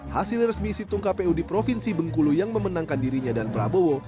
hasil resmi situng kpu di provinsi bengkulu yang memenangkan dirinya dan prabowo